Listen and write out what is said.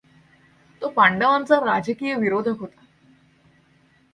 तो पांडवांचा राजकीय विरोधक होता.